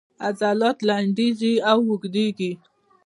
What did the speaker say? عضلات لنډیږي او اوږدیږي